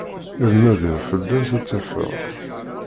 Ad nadiɣ fell-as, ad tt-afeɣ.